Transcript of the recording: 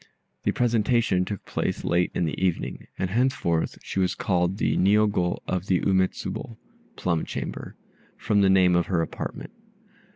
The presentation took place late in the evening, and henceforth she was called the Niogo of the Ume Tsubo (plum chamber), from the name of her apartment.